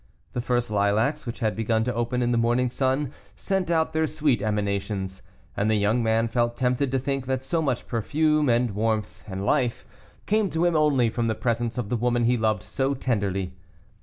The first lilacs which had begun to open in the morning sun sent out their sweet emanations, and the young man felt tempted to think that so much perfume and warmth and life came to him only from the presence of the woman he loved so tenderly.